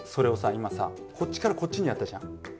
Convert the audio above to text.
今さこっちからこっちにやったじゃん。